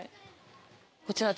こちら。